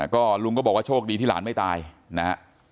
ก็ลุงก็บอกว่าโชคดีที่หลานไม่ตายนะฮะ